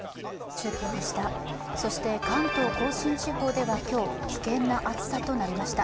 そして、関東甲信地方では今日、危険な暑さとなりました。